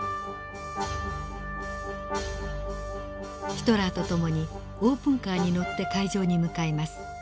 ヒトラーと共にオープンカーに乗って会場に向かいます。